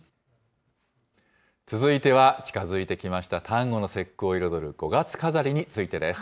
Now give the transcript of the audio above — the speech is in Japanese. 続いては、近づいてきました端午の節句を彩る五月飾りについてです。